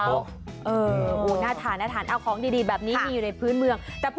โอ้โหน่าทานน่าทานเอาของดีแบบนี้มีอยู่ในพื้นเมือง